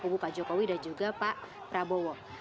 kubu pak jokowi dan juga pak prabowo